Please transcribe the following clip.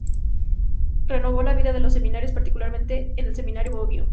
Renovó la vida de los seminarios, particularmente en el seminario de Bobbio.